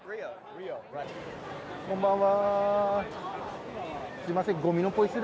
こんばんは。